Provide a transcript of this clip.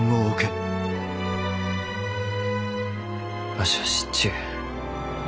わしは知っちゅう。